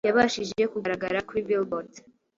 yabashije kugaragara kuri Billboard